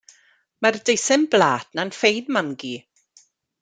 Mae'r deisen blât ma'n ffein mam-gu.